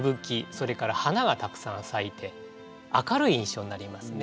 それから花がたくさん咲いて明るい印象になりますね。